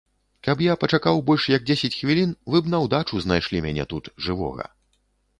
Каб я пачакаў больш як дзесяць хвілін, вы б наўдачу знайшлі мяне тут жывога.